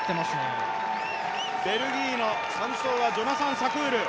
ベルギーの３走じゃジョナサン・サクール。